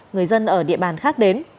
người dân ở địa bàn khác đến